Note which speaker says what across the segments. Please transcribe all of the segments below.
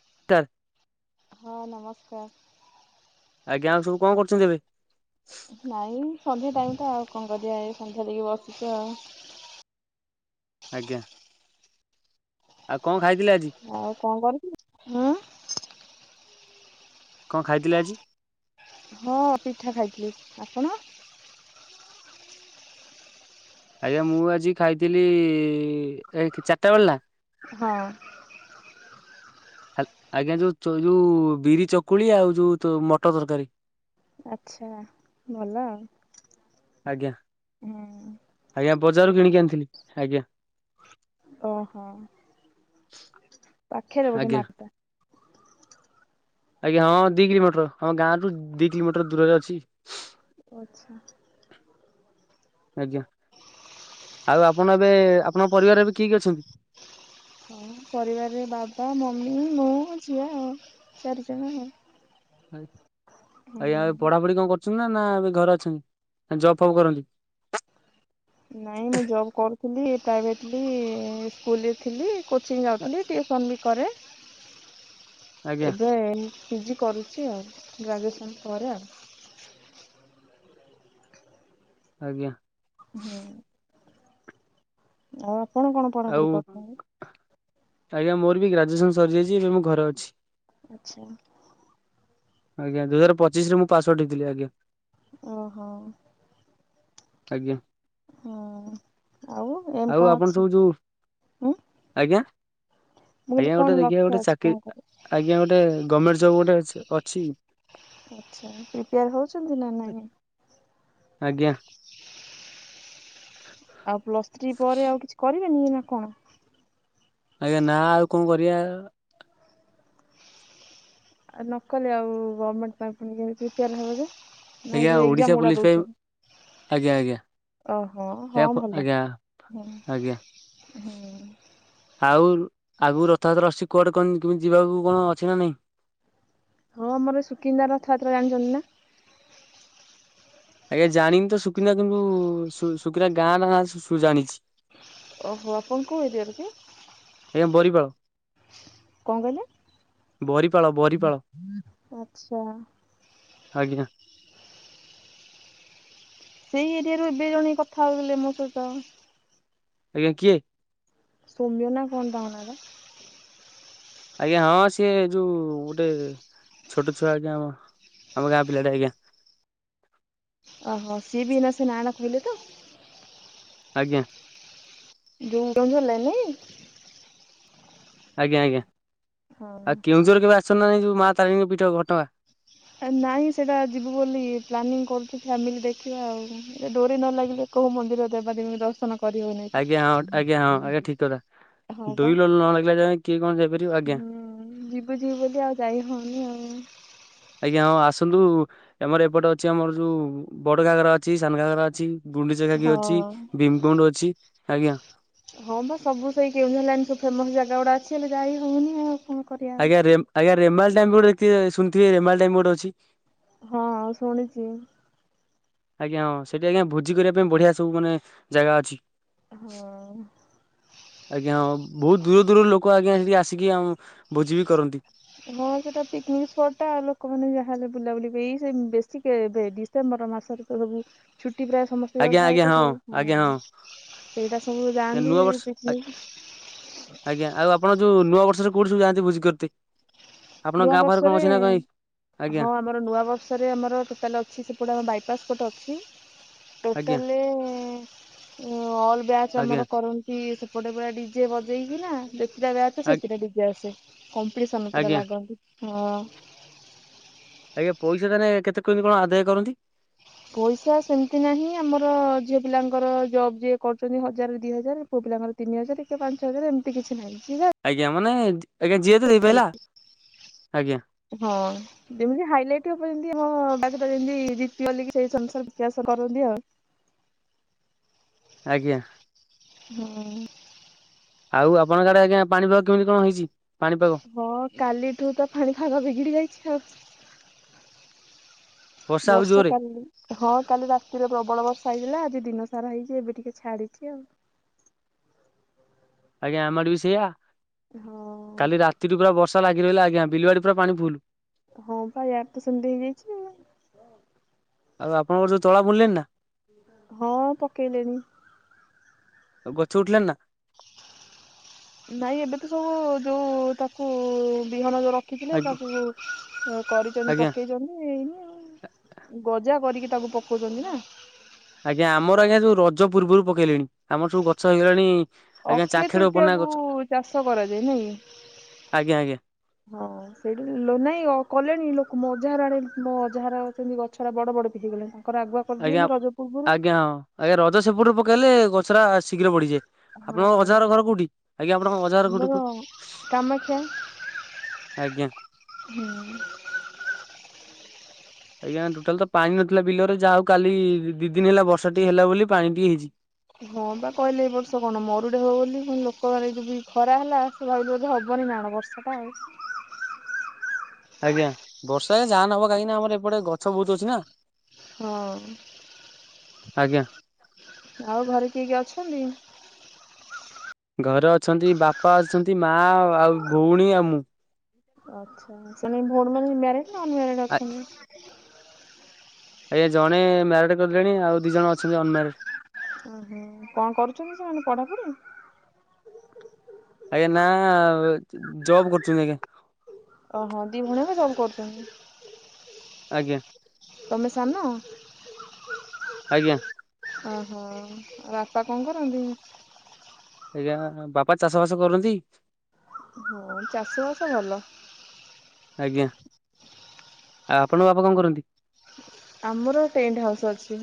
Speaker 1: [unintelligible]
Speaker 2: ହଁ ନମସ୍କାର।
Speaker 1: ଆଜ୍ଞା ଆଉ ସବୁ କଣ କରୁଛନ୍ତି ଏବେ?
Speaker 2: ନାଇଁ ସନ୍ଧ୍ୟା ଟାଇମଟା ଆଉ କଣ କରିବା, ଏ ସନ୍ଧ୍ୟା ଦେଇକି ବସିଛି ଆଉ।
Speaker 1: ଆଜ୍ଞା। ଆଉ କଣ ଖାଇଥିଲେ ଆଜି?
Speaker 2: ଆଉ କଣ କରୁଛୁ, ହୁଁ
Speaker 1: କଣ ଖାଇଥିଲେ ଆଜି?
Speaker 2: ହଁ ପିଠା ଖାଇଥିଲି, ଆପଣ?
Speaker 1: ଆଜ୍ଞା ମୁଁ ଆଜି ଖାଇଥିଲି, ଏକ ଚାରଟା ବେଳେନା?
Speaker 2: ହଁ।
Speaker 1: ଆଜ୍ଞା ଯୋଉ ଯୋଉ ବିରି ଚକୁଳି ଆଉ ଯୋଉ ମଟର ତରକାରୀ।
Speaker 2: ଆଚ୍ଛା ଭଲ ଆଉ।
Speaker 1: ଆଜ୍ଞା
Speaker 2: ହୁଁ
Speaker 1: ଆଜ୍ଞା ବଜାରରୁ କିଣିକି ଆଣିଥିଲି, ଆଜ୍ଞା।
Speaker 2: ଓହୋ ପାଖେରେ ବୋଧେ
Speaker 1: ଆଜ୍ଞା
Speaker 2: ମାରତା।
Speaker 1: ଆଜ୍ଞ ହଁ ଦି କିଲୋମିଟର, ହ ଗାଁଠୁ ଦି କିଲୋମିଟର ଦୂରରେ ଅଛି।
Speaker 2: ଆଚ୍ଛା।
Speaker 1: ଆଜ୍ଞା, ଆଉ ଆପଣ ଏବେ ଆପଣଙ୍କ ପରିବାର ଏବେ କିଏ କିଏ ଅଛନ୍ତି?
Speaker 2: ହଁ ପରିବାରରେ ବାବା, ମମି, ମୁଁ, ଝିଅ ଆଉ ଚାରିଜଣ।
Speaker 1: ଆଜ୍ଞା
Speaker 2: ହୁଁ
Speaker 1: ଏ ପଢାପଢି କଣ କରୁଛନ୍ତି ନା, ନା ଏବେ ଘରେ ଅଛନ୍ତି, ନା ଜବ୍ ଫବ୍ କରନ୍ତି?
Speaker 2: ନାଇଁ ମୁଁ ଜବ୍ କରୁଥିଲି, ପ୍ରାଇଭେଟ ସ୍କୁଲରେ ଥିଲି, କୋଚିଂ ଯାଉଥିଲି। ଟ୍ୟୁସନ ବି କରେ।
Speaker 1: ଆଜ୍ଞା
Speaker 2: ଏବେ ପିଜି କରୁଛି ଆଉ, ଗ୍ରାଜୁଏସନ୍ ପରେ ଆଉ।
Speaker 1: ଆଜ୍ଞା।
Speaker 2: ହୁଁ। ଆଉ ଆପଣ କଣ
Speaker 1: ଆଉ
Speaker 2: ପଢାପଢ଼ି କରୁଛନ୍ତି?
Speaker 1: ଆଜ୍ଞା ମୋର ବି ଗ୍ରାଜୁଏସନ ସରିଯାଇଛି, ଏବେ ମୁଁ ଘରେ ଅଛି।
Speaker 2: ଆଛା।
Speaker 1: ଆଜ୍ଞା ଦୁଇ ହଜାର ପଚିଶରେ ମୁଁ ପାସ ଆଉଟ୍ ହେଇଥିଲି ଆଜ୍ଞା।
Speaker 2: ଅ ହ।
Speaker 1: ଆଜ୍ଞା।
Speaker 2: ହଁ ଆଉ ଏମ କଣ
Speaker 1: ଆପଣ
Speaker 2: ଅଛି?
Speaker 1: ସବୁ ଯୋଉ
Speaker 2: ଉଁ
Speaker 1: ଆଜ୍ଞା
Speaker 2: ମୁଁ କହିଲି
Speaker 1: ଆଜ୍ଞା
Speaker 2: କଣ
Speaker 1: ଗୋଟେ ଦେଖିବା
Speaker 2: ଲକ୍ଷ୍ୟ
Speaker 1: ଗୋଟେ
Speaker 2: ଅଛି କଣ
Speaker 1: ଚାକିରି ଆ
Speaker 2: କରିବେ?
Speaker 1: ଆଜ୍ଞା ଗୋଟେ। ଗମେଣ୍ଟ ଜବ୍ ଗୋଟେ ଅଛି।
Speaker 2: ଆଛା ପ୍ରିପେୟାର ହଉଛନ୍ତି ନା ନାହିଁ?
Speaker 1: ଆଜ୍ଞା।
Speaker 2: ଆଉ ପ୍ଲସ୍ ଥ୍ରୀ ପରେ ଆଉ କିଛି କରିବେନି ନା କଣ?
Speaker 1: ଆଜ୍ଞା ନା ଆଉ କଣ କରିବା।
Speaker 2: ଆ ନ କଲେ ଆଉ ଗମେଣ୍ଟ ପାଇଁ କେମିତି ପ୍ରିପେୟାର ହେବେ ଯେ? ନାଇଁ
Speaker 1: ଆଜ୍ଞା
Speaker 2: ଯୋଉ
Speaker 1: ଓଡିଶା
Speaker 2: ଏକ୍ଜାମ ଗୁଡା
Speaker 1: ପୋଲିସ ପାଇଁ
Speaker 2: ଦଉଚେ।
Speaker 1: ଆଜ୍ଞା ଆଜ୍ଞା
Speaker 2: ଅହ
Speaker 1: ଆଜ୍ଞା
Speaker 2: ହଁ
Speaker 1: ଫ
Speaker 2: ଭଲ
Speaker 1: ଆଜ୍ଞା
Speaker 2: ହୁଁ।
Speaker 1: ଆଜ୍ଞା
Speaker 2: ହୁଁ।
Speaker 1: ଆଉ ଆଗକୁ ରଥଯାତ୍ରା ଆସୁଛି କୁଆଡେ କଣ କେମିତି ଯିବାକୁ କଣ ଅଛି ନା ନାଇଁ?
Speaker 2: ହଁ ଆମର ସୁକିନ୍ଦା ରଥଯାତ୍ରା ଜାଣିଛନ୍ତି ନା?
Speaker 1: ଆଜ୍ଞା ଜାଣିନି ତ ସୁକିନ୍ଦା କିନ୍ତୁ ସୁଖିନା ଗାଁ ନାଁ ସୁ ଜାଣିଛି।
Speaker 2: ଓହୋ ଆପଣ କୋଉ ଏରିଆର କି?
Speaker 1: ଆଜ୍ଞା ବରିପାଳ।
Speaker 2: କଣ କହିଲେ
Speaker 1: ବରିପାଳ ବରିପାଳ
Speaker 2: ଆଛା।
Speaker 1: ଆଜ୍ଞା।
Speaker 2: ସେଇ ଏରିଆରୁ ଏବେ ଜଣେ କଥା ହେଉଥିଲେ ମୋ ସହିତ।
Speaker 1: ଆଜ୍ଞା କିଏ?
Speaker 2: ସୋମ୍ୟ ନା କଣ ତାଙ୍କ ନାଁଟା?
Speaker 1: ଆଜ୍ଞା ହଁ ସିଏ ଯୋଉ ଗୋଟେ ଛୋଟଛୁଆ ଆଜ୍ଞା ଆମ ଆମ ଗାଁ ପିଲାଟେ ଆଜ୍ଞା।
Speaker 2: ଅହ ସିଏ ବି ଏଇନା ସେ ନାଁ ଟା କହିଲେ ତ।
Speaker 1: ଆଜ୍ଞା।
Speaker 2: ଯୋଇଁ କଣ ଗଲାନି?
Speaker 1: ଆଜ୍ଞା ଆଜ୍ଞା ଆଉ
Speaker 2: ହଁ।
Speaker 1: କେଉଁଝର କେବେ ଆସିଛନ୍ତି ନାହିଁ ଯୋଉ ମାଆ ତାରିଣୀଙ୍କ ପୀଠ ଘଟଗାଁ।
Speaker 2: ନାଇଁ ସେଟା ଯିବୁ ବୋଲି ପ୍ଲାନିଂ କରୁଛୁ ଫ୍ୟାମିଲି ଦେଖିବା ଆଉ ଏ ଡୋରି ନ ଲାଗିଲେ। କୋଉ ମନ୍ଦିର ଦେବାଦେବୀ ଦର୍ଶନ କରିହଉନି
Speaker 1: ଆଜ୍ଞା ହଁ ଆଜ୍ଞା ହଁ ଆଜ୍ଞା ଠିକ୍ କଥା
Speaker 2: ହଁ ବା
Speaker 1: ଦୁଇ ଲଲ ନ ଲାଗିଲା ଯା କିଏ କଣ ଯାଇପାରିବ ଆଜ୍ଞା।
Speaker 2: ବୁଝିବି ବୋଲି ଆଉ ଯାଇ ହଉନି ଆଉ।
Speaker 1: ଆଜ୍ଞା ହଁ ଆସନ୍ତୁ ଆମର ଏପଟେ ଅଛି ଆମର ଯୋଉ ବଡ ଘାଗରା ଅଛି ସାନ ଘାଗରା ଅଛି। ଗୁଣ୍ଡିଚାଘାଗି ଅଛି
Speaker 2: ହଁ
Speaker 1: ଭୀମ କୁଣ୍ଡ ଅଛି ଆଜ୍ଞା।
Speaker 2: ହଁ ବା ସବୁ ସେଇ କେଉଁଝର ଲାଇନ ସବୁ ଫେମସ ଯାଗା ଗୁଡା ଅଛି ହେଲେ ଯାଇ ହଉନି ଆଉ। କଣ କରିବା ଆଉ।
Speaker 1: ଆଜ୍ଞା ରେମ୍ ଆଜ୍ଞା ରେମାଳ ଟାଇମ୍ ଗୋଟେ ଅଛି ଶୁଣିଥିବେ ରେମାଲ୍ ଟାଇମ ଗୋଟେ ଅଛି।
Speaker 2: ହଁ ଶୁଣିଛି।
Speaker 1: ଆଜ୍ଞା ହଁ ସେଠି ଆଜ୍ଞା ଭୋଜି କରିବା ପାଇଁ ବଢିଆ ସବୁ ମାନେ ଯାଗା ଅଛି।
Speaker 2: ହଁ।
Speaker 1: ଆଜ୍ଞା ଅମ। ବହୁତ ଦୂର ଦୂରରୁ ଲୋକ ଆଜ୍ଞା ସେଠି ଆସିକି ଆ ଭୋଜି ବି କରନ୍ତି।
Speaker 2: ହଁ ସେଟା ପିକନିକ ସ୍ପଟଟା ଲୋକମାନେ ଯାହା ହେଲେ ବୁଲାବୁଲି ବି ସେ ବେଶୀ କେବେବି ସେପ୍ଟେମ୍ବର ମାସରେ ତ ସବୁ ଛୁଟି ପ୍ରାୟ ସମ। ପୁଅ
Speaker 1: ଆଜ୍ଞା
Speaker 2: ଖାଏ
Speaker 1: ଆଜ୍ଞା
Speaker 2: ତ
Speaker 1: ହଁ
Speaker 2: ସବୁ
Speaker 1: ଆଜ୍ଞା
Speaker 2: ହଁ ସେଇଟା ସବୁ ଯାଆନ୍ତି
Speaker 1: ନୂଆ ବର୍ଷ
Speaker 2: ପିକନିକ।
Speaker 1: ଆଜ୍ଞା ଆପଣ ଯୋଉ ନୂଆ ବର୍ଷରେ କୋଉଠି ସବୁ ଯାଆନ୍ତି ଭୋଜି କରତି? ଆପଣଙ୍କ
Speaker 2: ନୂଆ
Speaker 1: ଗାଁ ପାଖରେ କଣ ଅଛି ନା କାଇଁ ଆଜ୍ଞା।
Speaker 2: ଆମ ନୂଆ ବର୍ଷରେ ଆମର ଟୋଟାଲ ଅଛି ସେପଟେ ଆମ ବାଇପାସ ଗୋଟେ ଅଛି।
Speaker 1: ଆଜ୍ଞା
Speaker 2: ଟୋଟାଲି ଅଲ ବ୍ୟାଚ
Speaker 1: ଆଜ୍ଞା
Speaker 2: ଆମର କର କି ସେପଟେ ପୁରା ଡିଜେ ବଜେଇକିନା ଯେତେଟା ଗାଁ ଅଛି
Speaker 1: ଆ
Speaker 2: ସେତେଟା ଡିଜେ ଆସେ। କମ୍ପିଟିସନ୍ ପୁରା
Speaker 1: ଆଜ୍ଞା
Speaker 2: ଲାଗନ୍ତି ହଁ।
Speaker 1: ଆଜ୍ଞା ପଇସା ତାହେଲେ କେତେ କେମିତି କଣ ଆଦାୟ କରନ୍ତି?
Speaker 2: ପଇସା ସେମତି ନାହିଁ ଆମର ଝିଅ ପିଲାଙ୍କର ଜବ ଯିଏ କରୁଚନ୍ତି ହଜାରେ ଦି ହଜାରେ। ପୁଅ ପିଲାଙ୍କର ତିିନି ହଜାରେ କିଏ ପାଞ୍ଚ ହଜାରେ ଏମିତି କିଛି ନାହିଁ ଯିଏ ଯାହା
Speaker 1: ଆଜ୍ଞା ମାନେ ଆଜ୍ଞା ଯିଏ ଯେତେ ଦେଇପାରିଲା ଆଜ୍ଞା
Speaker 2: ହଁ। ଯେମିତି ହାଇଲାଇଟି ହବ ଯେମତି ଆମ ବାଗଟା ଯେମତି ଜିତି ଗଲି କି ସେଇ ସେ ଆନୁସାର ବିକାଶ କରନ୍ତି ଆଉ।
Speaker 1: ଆଜ୍ଞା।
Speaker 2: ହୁଁ।
Speaker 1: ଆଉ ଆପଣଙ୍କ ଆଡେ ଆଜ୍ଞା ପାଣିପାଗ କେମିତି କଣ ହେଇଚି ପାଣିପାଗ।
Speaker 2: ହଁ କାଲିଠୁ ତ ଫାଣି ଫାଗ ବିଗିଡି ଯାଇଚି ଆଉ।
Speaker 1: ହଉଛି
Speaker 2: ବର୍ଷା
Speaker 1: ଜୋରେ
Speaker 2: କାଲି ହଁ କାଲି ରାତିରେ ପ୍ରବଳ ବର୍ଷା ହେଇଥିଲା ଆଜି ଦିନ ସାରା ହେଇଚି ଏବେ ଟିକେ ଛାଡିଚି ଆଉ।
Speaker 1: ଆଜ୍ଞା ଆମର ଆଡେ ବି ସେଇଆ।
Speaker 2: ହଁ।
Speaker 1: କାଲି ରାତିରୁୁ ପୁରା ବର୍ଷା ଲାଗିରହିଲା ଆଜ୍ଞା ବିଲବାଡି ପୁରା ପାଣି ଫୁଲୁ।
Speaker 2: ହଁ ପା ୟାଡେ ତ ସେମିତି ହେଇଯାଇଚି ଆ
Speaker 1: ଆଉ ଆପଣଙ୍କର ଯୋଉ ତଳା ବୁଣିଲେଣି ନା?
Speaker 2: ହଁ ପକେଇଲେଣି।
Speaker 1: ଆଉ ଗଛ ଉଠିଲାଣ ନା?
Speaker 2: ନାଇଁ ଏବେ ତ ସବୁ ଯୋଉ ତାକୁ ବିହନ ଯୋଉ ର ରଖିଥିଲେ
Speaker 1: ଆଜ୍ଞା
Speaker 2: ତାକୁବି କରିଚନ୍ତି
Speaker 1: ଆଜ୍ଞା
Speaker 2: ପକେଇଚନ୍ତି ଏଇନି ଆଉ। ଗଜା କରିକି ତାକୁ ପକୋଉଚନ୍ତି ନା।
Speaker 1: ଆଜ୍ଞା ଆମର ଆଜ୍ଞା ଯୋଉ ରଜ ପୂର୍ବରୁ ପକେଇଲେଣି ଆମର ସବୁ ଗଛ ହେଇଗଲାଣି। ଆଜ୍ଞା
Speaker 2: ଅକ୍ଷୟ
Speaker 1: ଚାଖେଡେ ଉପର ନା
Speaker 2: ତୃତୀୟାକୁ
Speaker 1: ଗଛ
Speaker 2: ଚାଷ କରାଯାଏ ନୁହେଁକି
Speaker 1: ଆଜ୍ଞା ଆଜ୍ଞା
Speaker 2: ହଁ। ସେଇଠୁ ଲୋ ନାଇଁ ଅ କଲେଣି ଲୋକ ମୋ ଅଜାହର ଆଡେ ମୋ ଅଜାହର ସେମିତି ଗଛରା ବଡବଡ ବି ହେଇଗଲାଣି ତାଙ୍କର ଆଗ
Speaker 1: ଆଜ୍ଞା ଆଜ୍ଞା ହଁ ଆଜ୍ଞା ରଜ ସେପଟରୁ ପକେଇଲେ ଗଛଟା ଶୀଘ୍ର ବଢିଯାଏ। ଆପଣଙ୍କ
Speaker 2: ହଁ।
Speaker 1: ଅଜାହର ଘର କୋଉଠି ଆଜ୍ଞା ଆପଣଙ୍କ ଅଜାହର କୋଉଠି
Speaker 2: ଆମର
Speaker 1: କୁ
Speaker 2: କାମାକ୍ଷା
Speaker 1: ଆଜ୍ଞା।
Speaker 2: ହୁଁ।
Speaker 1: ଆଜ୍ଞା ଟୋଟାଲ ତ ପାଣି ନଥିଲା ବିଲରେ ଯାହା ହୋଉ କାଲି ଦିଦିନି ହେଲା ବର୍ଷାଟିକେ ହେଲା ବୋଲି ପାଣି ଟିକେ ହେଇଚି।
Speaker 2: ହଁ ପା କହିଲେ ଏଇ ବର୍ଷ କଣ ମରୁଡି ହବ ବୋଲି ଲୋକମାନେ ଏ ଯୋଉ ବି ଖରାହେଲା ଭାବିଲେ ବୋଧେ ହବନି ନା କଣ ବର୍ଷାଟା ଆଉ।
Speaker 1: ଆଜ୍ଞା ବର୍ଷା ଆଜ୍ଞା ଯାହା ହେନେ ହବ କାହିଁକିନା ଆମର ଏପଟେ ଗଛ ବୋହୁତ ଅଛିନା।
Speaker 2: ହଁ।
Speaker 1: ଆଜ୍ଞା।
Speaker 2: ଆଉ ଘରେ କିଏ କିଏ ଅଛନ୍ତି?
Speaker 1: ଘରେ ଅଛନ୍ତି ବାପା ଅଛନ୍ତି, ମାଆ ଆଉ ଭୋଉଣୀ ଆଉ ମୁଁ।
Speaker 2: ଆଛା ସେନେ ଭୋଉଣୀ ମାନେ ମ୍ୟାରେଡ୍ ନା ଅନମ୍ୟାରେଡ
Speaker 1: ଆ
Speaker 2: ଅଛନ୍ତି।
Speaker 1: ଆଜ୍ଞା ଜଣେ ମ୍ୟାରିଡ଼୍ କରିିଲେଣି ଆଉ ଦିଇଜଣ ଅଛନ୍ତି ଅନମ୍ୟାରେଡ଼।
Speaker 2: ଓହୋ କଣ କରୁଚନ୍ତି ସେମାନେ ପଢାପଢି?
Speaker 1: ଆଜ୍ଞା ନା ଏ ଜ ଜବ୍ କରୁଚନ୍ତି ଆଜ୍ଞା।
Speaker 2: ଓହୋ ଦି ଭୋଉଣୀ ଆକ ଜବ କରୁଚନ୍ତି।
Speaker 1: ଆଜ୍ଞା।
Speaker 2: ତମେ ସାନ
Speaker 1: ଆଜ୍ଞା।
Speaker 2: ଓହୋ ଆଉ ବାପା କଣ କରନ୍ତି?
Speaker 1: ଆଜ୍ଞା ବାପା ଚାଷ ବାସ କରନ୍ତି।
Speaker 2: ହଁ ଚାଷୀ ବାସ ଭଲ।
Speaker 1: ଆଜ୍ଞା ଆଉ ଆପଣଙ୍କ ବାପା କଣ କରନ୍ତି।
Speaker 2: ଆମର ଟେଣ୍ଟ ହାଉସ୍ ଅଛି।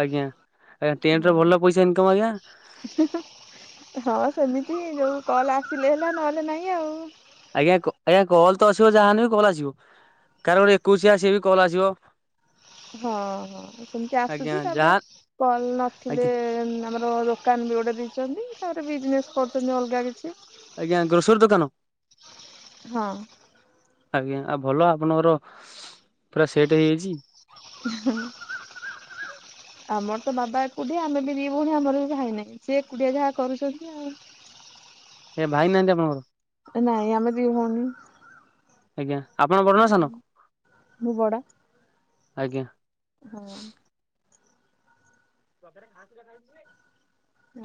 Speaker 1: ଆଜ୍ଞା ଆଜ୍ଞା ଟେଣ୍ଟର
Speaker 2: ହଁ
Speaker 1: ଭଲ ପଇସା ଇନକମ୍ ଆଜ୍ଞା।
Speaker 2: ହଁ ସେମିତି ଯୋଉ କଲ ଆସିଲେ ହେଲା ନ ହେଲେ ନାଇଁ ଆଉ।
Speaker 1: ଆଜ୍ଞା କ ଆଜ୍ଞା କଲ ତ ଆସିବ ଯାହା ହେନେ ବି କଲ ଆସିବ। କହାର ଗୋଟେ ଏକୋଇଶିଆ ସିଏ ବି କଲ ଆସିବ।
Speaker 2: ହଁ ହଁ ସେମିତି
Speaker 1: ଆଜ୍ଞା
Speaker 2: ଆସୁଛି ତାପରେ
Speaker 1: ଯାହା
Speaker 2: କଲ ନଥିଲେ
Speaker 1: ଆଜ୍ଞା
Speaker 2: ଆମର ତ ଦୋକାନ ବି ଗୋଟେ ଦେଇଛନ୍ତି ତାପରେ ବିଜନେସ୍ କରୁଛନ୍ତି ଅଲଗା କିଛି।
Speaker 1: ଆଜ୍ଞା ଗ୍ରୋସରୀ ଦୋକାନ।
Speaker 2: ହଁ।
Speaker 1: ଆଜ୍ଞା ଆଉ ଭଲ ଆପଣଙ୍କର ପୁରା ସେଟ୍ ହେଇଯାଇଛି।
Speaker 2: [unintelligible] ଆମର ତ ବାବା ଏକୁଟିଆ ଆମେ ବି ଦି ଭଉଣୀ ଆମର ବି ଭାଇନାହିଁ ସେ ଏକୁଟିଆ ଯାହା କରୁଛନ୍ତି ଆଉ।
Speaker 1: ଏ ଭାଇ ନାହାନ୍ତି ଆପଣଙ୍କର?
Speaker 2: ନାଇଁ ଆମେ ଦି ଭଉଣୀ।
Speaker 1: ଆଜ୍ଞା ଆପଣ ବଡ ନା ସାନ?
Speaker 2: ମୁଁ ବଡ
Speaker 1: ଆଜ୍ଞା।
Speaker 2: ହଁ।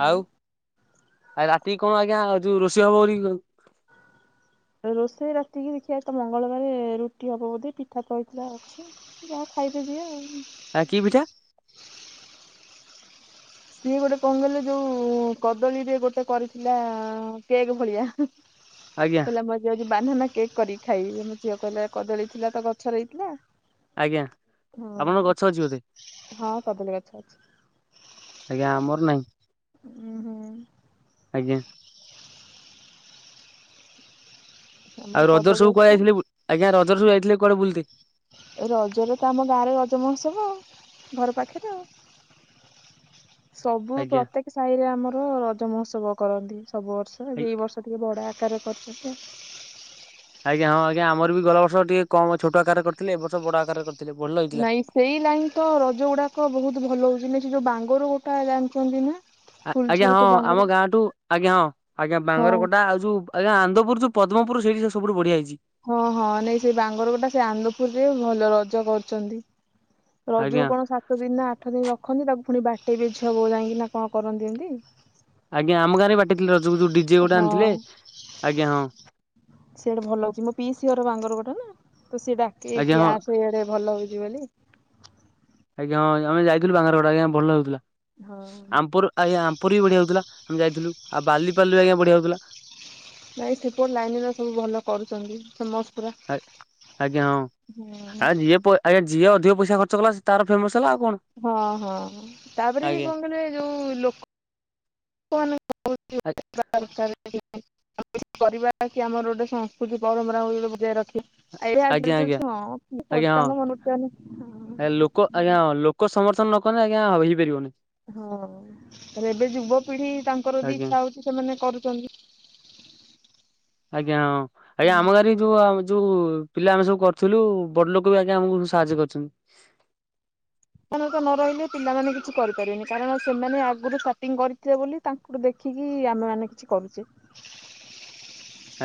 Speaker 1: ଆଉ ଆ ରାତି କଣ ଆଜ୍ଞା ଯୋଉ ରୋଷେଇ ହବ ବୋଲି
Speaker 2: ରୋଷେଇ ରାତିକି ଦେଖିବା ଆଜି ତ ମଙ୍ଗଳବାରେ ରୁଟି ହବ ବୋଧେ ପିଠା ତ ହେଇଥିଲା ଅଛି। ଯାହା ଖାଇବ ଯିଏ ଆଉ।
Speaker 1: ଆ କି ପିଠା?
Speaker 2: ସିଏ ଗୋଟେ କଁ କହଲେ ଯୋଉ କଦଳୀରେ ଗୋଟେ କରିଥିଲା କେକ୍ ଭଳିଆ।
Speaker 1: ଆଜ୍ଞା।
Speaker 2: ମୁଁ ଆଜି ଯାଉଛି ବାନାନା କେକ୍ କରିକି ଖାଇବି ମୋ ଝିଅ କହିଲା କଦଳୀ ଥିଲା ତ ଗଛରେ ହେଇଥିଲା।
Speaker 1: ଆଜ୍ଞା ଆପଣଙ୍କ ଗଛ ଅଛି ବୋଧେ
Speaker 2: ହଁ ହଁ କଦଳୀ ଗଛ ଅଛି।
Speaker 1: ଆଜ୍ଞା ଆମର ନାହିଁ।
Speaker 2: ଉୁଁ ହୁଁ।
Speaker 1: ଆଜ୍ଞା।
Speaker 2: ଆମର
Speaker 1: ଆଉ ରଜରେ
Speaker 2: କଦଳୀ
Speaker 1: ସବୁ କୁଆଡେ
Speaker 2: ଅଛି।
Speaker 1: ଯାଇଥିଲେ ବୁ ଆଜ୍ଞା ରଜରେ ସବୁ ଯାଇଥିଲେ କୁଆଡେ ବୁଲତେ?
Speaker 2: ଏ ରଜରେ ତ ଆମ ଗାଁରେ ରଜ ମହୋତ୍ସବ ଆଉ ଘର ପାଖରେ ଆଉ। ସବୁ
Speaker 1: ଆଜ୍ଞା।
Speaker 2: ପ୍ରତ୍ୟେକ ସାହିରେ ଆମର ରଜ ମହୋତ୍ସବ। କରନ୍ତି ସବୁ ବର୍ଷ
Speaker 1: ଆଜ୍ଞା
Speaker 2: ଏବେ ଏଇ ବର୍ଷ ଟିକେ ବଡ ଆକାରରେ କରିଛନ୍ତି ଆଉ।
Speaker 1: ଆଜ୍ଞା ହଁ ଆଜ୍ଞା ଆମର ବି ଗଲା ବର୍ଷ ଟିକେ କମ ଛୋଟ ଆକାରରେ କରିଥିଲେ ଏ ବର୍ଷ ବଡ ଆକାରରେ କରିଥିଲେ ଭଲ ହେଇଥିଲା।
Speaker 2: ନାଇଁ ସେଇ ଲାଇନ୍ ତ ରଜ ଗୁଡାକ ବହୁତ ଭଲ ହଉଛି ନା ସେ ଯୋଉ ବାଙ୍ଗର ଗୋଟା ଜାଣିଛନ୍ତି ନା?
Speaker 1: ଆ ଆଜ୍ଞା
Speaker 2: ଫୁଲଝର
Speaker 1: ହଁ
Speaker 2: ଯୋଉ ବାଙ୍ଗର
Speaker 1: ଆମ ଗାଁଠୁ ଆଜ୍ଞା ହଁ ଆଜ୍ଞା
Speaker 2: ହଁ
Speaker 1: ବାଙ୍ଗର କୋଟା ଆଉ ଯୋଉ ଆଜ୍ଞା ଆନ୍ଦପୁର ଯୋଉ ପଦ୍ମପୁର ସେଇଠି ସେ ସବୁଠୁ ବଢିଆ ହେଇଛି।
Speaker 2: ହଁ ହଁ ନାଇ ସେ ବାଙ୍ଗର ଗୋଟା ସେ ଆନ୍ଦପୁରରେ ଭଲ ରଜ କରୁଛନ୍ତି। ରଜକୁ
Speaker 1: ଆଜ୍ଞା।
Speaker 2: କଣ ସାତ ଦିନ ନା ଆଠ ଦିନ ରଖନ୍ତି ତାକୁ ଫୁଣି ବାଟେଇବେ ଛୁଆ ବୋଉ ଯାଇକି ନା କଣ କରନ୍ତି ଏମିତି?
Speaker 1: ଆଜ୍ଞା ଆମ ଗାଁରେ ବାଟିଥିଲେ ରଜକୁ ଯୋଉ ଡିଜେ ଗୋଟେ ଆଣିଥିଲେ
Speaker 2: ହଁ
Speaker 1: ଆଜ୍ଞା ହଁ।
Speaker 2: ସିଆଡେ ଭଲ ହଉଛି ମୋ ପିଇସି ଘର ବାଙ୍ଗର ଗୋଟା ନା ତ ସିଏ ଡାକିବେ
Speaker 1: ଆଜ୍ଞା
Speaker 2: କି
Speaker 1: ହଁ।
Speaker 2: ଆସେ ଆଡେ ଭଲ ହଉଛି ବୋଲି।
Speaker 1: ଆଜ୍ଞା ହଁ ଆମେ ଯାଇଥିଲୁ ବାଙ୍ଗର ଗଡା ଆଜ୍ଞା ଭଲ ଲଗୁଥିଲା
Speaker 2: ହଁ
Speaker 1: ଆମପୁର ଆଜ୍ଞା ଆ ଉପରେ ବି ବଢିଆ ହଉଥିଲା ଆମେ ଯାଇଥିଲୁ ଆଉ ବାଲିପାଲିରେ ଆଜ୍ଞା ବଢିଆ ହଉଥିଲା।
Speaker 2: ନାଇଁ ସେପୋଟ ଲାଇନ ଗୁରା ସବୁ ଭଲ କରୁଛନ୍ତି ସମସ୍
Speaker 1: ଆ ଆଜ୍ଞା ହଁ ଆ ଯିଏ ପ ଆଜ୍ଞା ଯିଏ ଅଧିକ ପଇସା ଖର୍ଚ୍ଚକଲା ତାର ଫେମସ ହେଲା ଆଉ କଣ।
Speaker 2: ହଁ ହଁ ହଁ ତାପରେ ବି
Speaker 1: ଆଜ୍ଞା।
Speaker 2: କଣ କହଲେ ଯୋଉ ଲୋକ [inaudible] କରିବା କି ଆମର ଗୋଟେ ସଂସ୍କୃତି ପରମ୍ପରା ବୋଲି ବଜାଇ ରଖିବା। ଏଇରେ ଆଜି
Speaker 1: ଆଜ୍ଞା
Speaker 2: କାଲି ଯୋଉ
Speaker 1: ଆଜ୍ଞା
Speaker 2: ଛୁଆଁ କିଏ କରୁ
Speaker 1: ଆଜ୍ଞା ହଁ
Speaker 2: ତାଙ୍କ ମନ ରଖତେ ହେଲେ ହଁ।
Speaker 1: ଏ
Speaker 2: [unintelligible]
Speaker 1: ଲୋକ ଆଜ୍ଞା ହଁ ଲୋକ ସମର୍ଥନ ନ କଲେ ଆଜ୍ଞା ହେଇପାରିବନି।
Speaker 2: ହଁ ତାହେଲେ ଏବେ ଯୁବପିଢି ତାଙ୍କର ବି
Speaker 1: ଆଜ୍ଞା
Speaker 2: ଇଚ୍ଛା ହଉଛି ସେମାନେ କରୁଚ୍ଛନ୍ତି।
Speaker 1: ଆଜ୍ଞା ହଁ ଆଜ୍ଞା ଆମ
Speaker 2: ହୁଁ।
Speaker 1: ଗାଁରେ ଯୁ ଆମେ ଯୁ ପିଲା ଆମେ ସବୁ କରିୁଥିଲୁ ବଡ ଲୋକ ବି ଆଜ୍ଞା ଆମକୁୁ ସାହାଯ୍ୟ କରିଛନ୍ତି।
Speaker 2: ପଣତ ନ ରହିଲେ ପିଲାମାନେ କିଛି କରିପାରିବେନି କାରଣ ସେମାନେ ଆଗରୁ ସପିଂ କରିଥିଲେ ବୋଲି ତାଙ୍କୁ ଠୁ ଦେଖିକି ଆମେ ମାନେ କିଛି କରୁଛେ।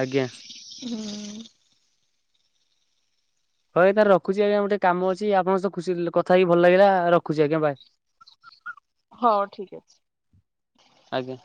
Speaker 1: ଆଜ୍ଞା।
Speaker 2: ହୁଁ।
Speaker 1: ହଏ ତାର ରଖୁଛି ଆଜ୍ଞା ଗୋଟେ କାମ ଅଛି ଆପଣଙ୍କ ଖୁସି କଥା ହେଇ ଭଲ ଲାଗିଲା ରଖୁଛି ଆଜ୍ଞା ବାଏ।
Speaker 2: ହଁ ଠିକ ଅଛି।
Speaker 1: ଆଜ୍ଞା।